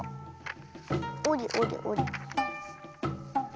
おりおりおり。